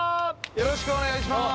よろしくお願いしまー